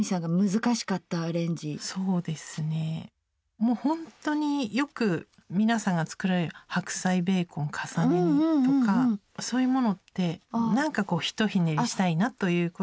もうほんとによく皆さんが作られる「白菜ベーコン重ね煮」とかそういうものってなんかこう一ひねりしたいなということで。